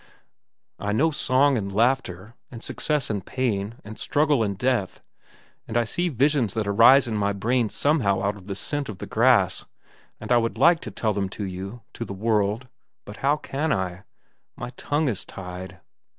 I know song and laughter, and success and pain, and struggle and death; and I see visions that arise in my brain somehow out of the scent of the grass, and I would like to tell them to you, to the world. But how can I? My tongue is tied.